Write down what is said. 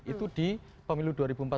itu di pemilu dua ribu empat belas